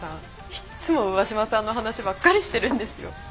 いっつも上嶋さんの話ばっかりしてるんですよ。